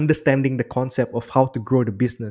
dalam memahami konsep bagaimana membangun bisnis